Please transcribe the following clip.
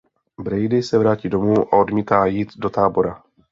Brady se vrátí domů a odmítá jít do tábora.